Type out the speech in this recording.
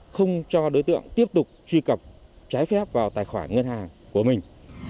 không cho đối tượng tiếp tục truy cập trái phép vào tài khoản ngân hàng của mình